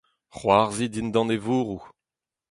c'hoarzhin dindan e vourroù